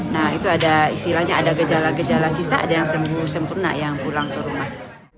nah itu ada istilahnya ada gejala gejala sisa ada yang sembuh sempurna yang pulang ke rumah